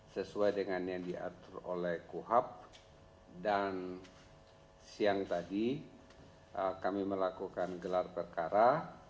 sesuai dengan yang diatur oleh kuhap dan siang tadi kami melakukan gelar perkara